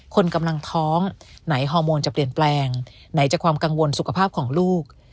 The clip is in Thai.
คนกำลังท้องไหนฮอร์โมนจะเปลี่ยนแปลงไหนจากความกังวลสุขภาพของลูก